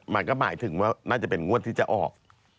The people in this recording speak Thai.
มันก็หมายถึงว่าน่าจะเป็นงวดที่จะออก